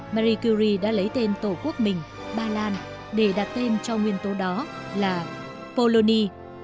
marie curie đã lấy tên tổ quốc mình ba lan để đặt tên cho nguyên tố đó là poloni